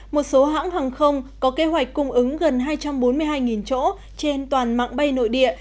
một số hãng hàng không có kế hoạch cung ứng gần hai trăm bốn mươi hai chỗ trên toàn mạng bay nội địa